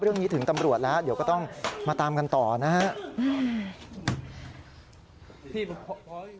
เรื่องนี้ถึงตำรวจแล้วเดี๋ยวก็ต้องมาตามกันต่อนะครับ